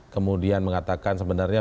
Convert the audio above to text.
kemudian mengatakan sebenarnya